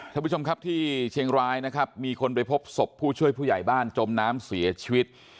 ท่านผู้ชมครับที่เชียงรายนะครับมีคนไปพบศพผู้ช่วยผู้ใหญ่บ้านจมน้ำเสียชีวิต